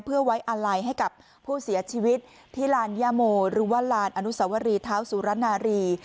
เพื่อไว้อาลัยให้กับผู้เสียชีวิตที่ลานย่าโมหรือว่าลานอนุสวรีเท้าสุรนารี